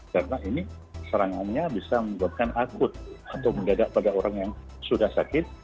karena ini serangannya bisa membuatkan akut atau mendadak pada orang yang sudah sakit